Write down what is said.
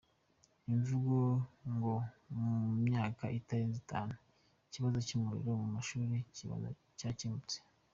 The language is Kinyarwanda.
ivuga ko mu myaka itarenze itanu ikibazo cy’umuriro mu mashuri kizaba cyakemutse